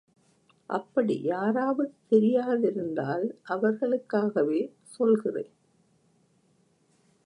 அப்படி யாராவது தெரியாதிருந்தால் அவர்களுக்காகவே சொல்கிறேன்.